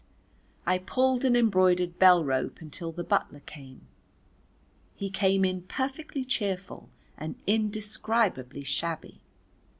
I pulled an embroidered bell rope until the butler came. He came in perfectly cheerful and indescribably shabby.